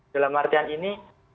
dalam artian ini